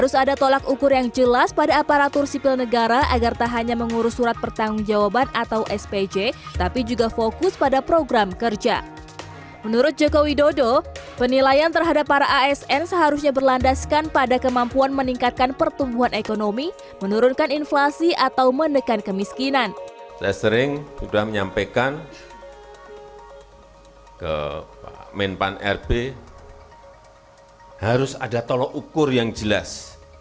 saya sering sudah menyampaikan ke menpan rb harus ada tolok ukur yang jelas